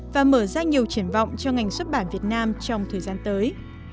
và mở ra nhiều triển vọng cho ngành xuất bản việt nam trong thời gian tới